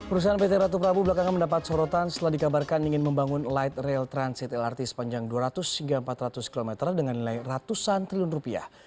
perusahaan pt ratu prabu belakangan mendapat sorotan setelah dikabarkan ingin membangun light rail transit lrt sepanjang dua ratus hingga empat ratus km dengan nilai ratusan triliun rupiah